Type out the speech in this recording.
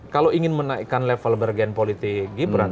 kalau ingin menaikkan level bergen politik gibran